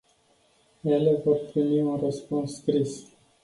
Ele vor primi un răspuns scris.